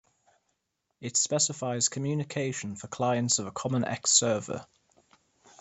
It specifies communication for clients of a common X server.